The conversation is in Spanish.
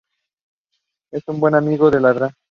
Es buen amigo de la Dra.